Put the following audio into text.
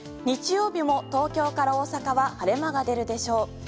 日曜日も東京から大阪は晴れ間が出るでしょう。